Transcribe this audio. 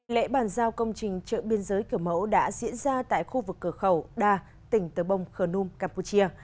lễ bàn giao công trình chợ biên giới kiểu mẫu đã diễn ra tại khu vực cửa khẩu đa tỉnh tờ bông khờ num campuchia